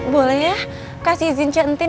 boleh ya kasih izin cek ntin